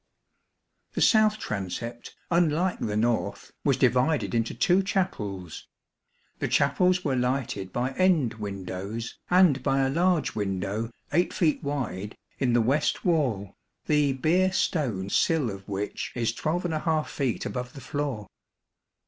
The south transept, unlike the north, was divided into two chapels. The chapels were lighted by end windows, and by a large window, 8 feet wide, in the west wall, the Beer stone sill of which is 12| feet above the floor.